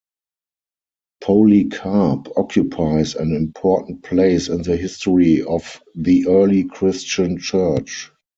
Polycarp occupies an important place in the history of the early Christian Church.